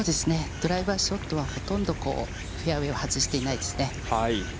ドライバーショットは、ほとんどフェアウェイを外していないですね。